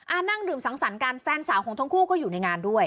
นั่งดื่มสังสรรค์กันแฟนสาวของทั้งคู่ก็อยู่ในงานด้วย